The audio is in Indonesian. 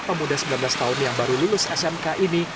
pemuda sembilan belas tahun yang baru lulus smk ini